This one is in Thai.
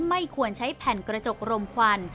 ไม่ควรใช้แผ่นกระจกรมควัน